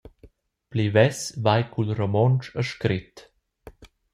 Pli vess vai cul romontsch a scret.